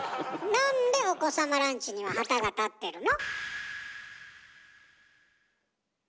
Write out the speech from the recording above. なんでお子様ランチには旗が立ってるの？